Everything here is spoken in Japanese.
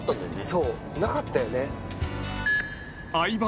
そうなかったよね